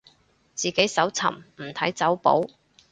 自己搜尋，唔睇走寶